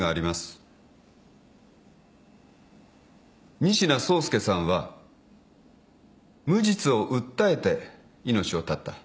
仁科壮介さんは無実を訴えて命を絶った。